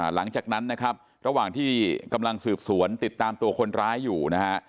หลังจากนั้นนะครับระหว่างที่กำลังสืบสวนติดตามตัวคนร้ายอยู่นะฮะ